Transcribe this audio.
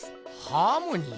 ハーモニー？